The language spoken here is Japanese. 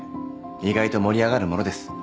意外と盛り上がるものです